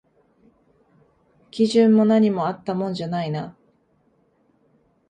基準も何もあったもんじゃないな